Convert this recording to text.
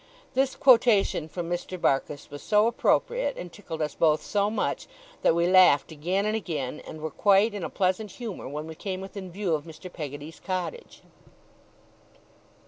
This quotation from Mr. Barkis was so appropriate, and tickled us both so much, that we laughed again and again, and were quite in a pleasant humour when we came within view of Mr. Peggotty's cottage.